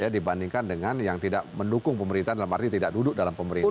dibandingkan dengan yang tidak mendukung pemerintahan dalam arti tidak duduk dalam pemerintahan